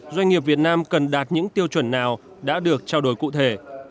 doanh nghiệp việt nam cần đạt những tiêu chuẩn nào đã được trao đổi cụ thể